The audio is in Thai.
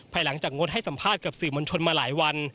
หลังจากงดให้สัมภาษณ์กับสื่อมวลชนมาหลายวัน